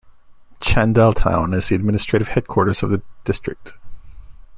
Chandel town is the administrative headquarters of the district.